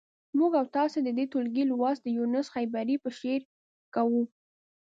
موږ او تاسو د دې ټولګي لوست د یونس خیبري په شعر کوو.